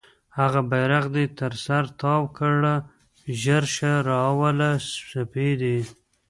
بیرغ دې تر سر تاو کړه ژر شه راوله سپیدې